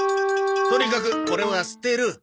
とにかくこれは捨てる。